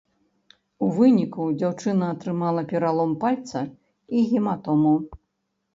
У выніку дзяўчына атрымала пералом пальца і гематому.